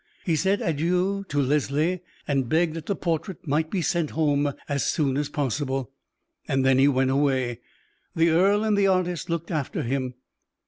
He said adieu to Leslie, and begged that the portrait might be sent home as soon as possible. Then he went away. The earl and the artist looked after him.